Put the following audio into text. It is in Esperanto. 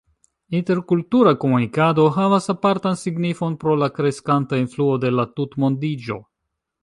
Interkultura komunikado havas apartan signifon pro la kreskanta influo de la tutmondiĝo.